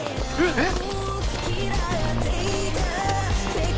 えっ！